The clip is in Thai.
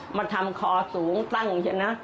มาทำคอสูงตั้งใช่ไหม